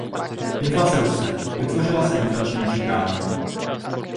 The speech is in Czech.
Inflace roste, vytvořila se inflační očekávání.